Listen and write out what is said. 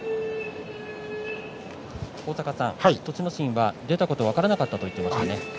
心は出たこと分からなかったと言っています。